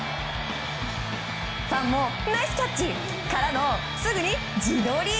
ファンもナイスキャッチ！からのすぐに自撮り。